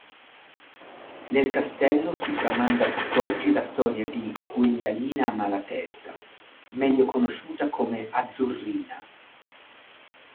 Nel castello si tramanda tutt'oggi la storia di Guendalina Malatesta, meglio conosciuta come Azzurrina.